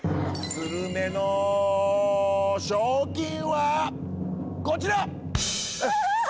スルメの賞金はこちら！